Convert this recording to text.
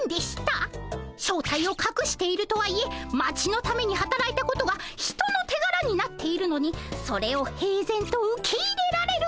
正体をかくしているとはいえ町のためにはたらいたことが人の手柄になっているのにそれを平然と受け入れられる。